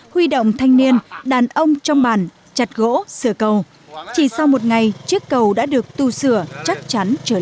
huy động thanh niên đàn ông trong bàn chặt gỗ sửa cầu chỉ sau một ngày chiếc cầu đã được tu sửa chắc chắn trở lại